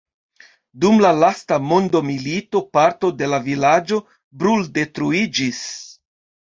Dum la lasta mondomilito parto de la vilaĝo bruldetruiĝis.